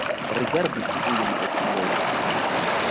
Rigardu tiujn okulojn